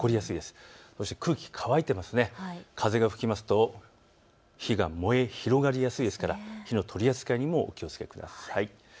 風が吹きますと火が燃え広がりやすいですから火の取り扱いにもお気をつけください。